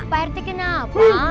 pak rt kenapa